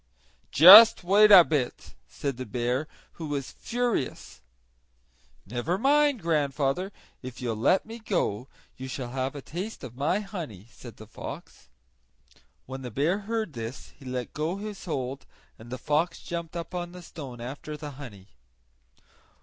"Just wait a bit," said the bear, who was furious. "Never mind, grandfather; if you'll let me go you shall have a taste of my honey," said the fox. When the bear heard this he let go his hold and the fox jumped up on the stone after the honey.